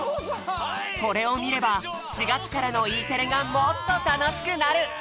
これをみれば４がつからのＥテレがもっとたのしくなる！